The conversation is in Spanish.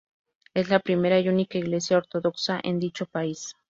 Es la primera y única iglesia ortodoxa en dicho país.